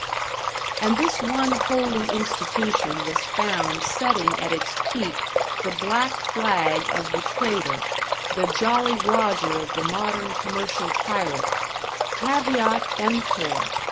And this one holy institution was found setting at its peak the black flag of the trader, the "Jolly Roger" of the modern commercial pirate "Caveat emptor!"